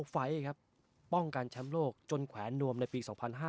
ไฟล์ครับป้องกันแชมป์โลกจนแขวนนวมในปี๒๕๕๙